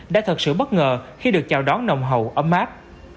đã thật sự bất ngờ khi được chào đón nồng hậu ấm áp